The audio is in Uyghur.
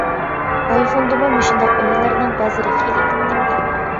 ئايفوندىمۇ مۇشۇنداق ئويۇنلارنىڭ بازىرى خېلى ئىتتىك.